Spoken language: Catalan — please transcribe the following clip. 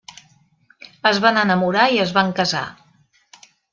Es van enamorar i es van casar.